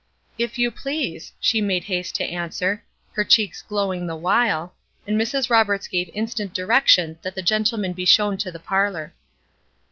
"If you please," she made haste to answer, her cheeks glowing the while, and Mrs. Roberts gave instant direction that the gentleman be shown to the parlor.